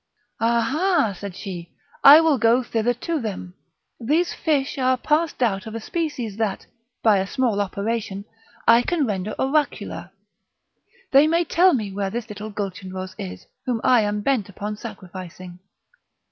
"Ah! ha!" said she, "I will go thither to them; these fish are past doubt of a species that, by a small operation, I can render oracular; they may tell me where this little Gulchenrouz is, whom I am bent upon sacrificing."